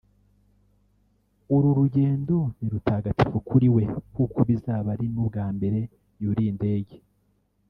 uru rugendo ni rutagatifu kuri we kuko bizaba ari n’ubwa mbere yuriye indege